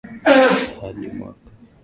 hadi mwaka elfu mbili na tano